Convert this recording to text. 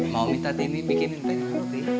mau minta tini bikinin pengen ngamuk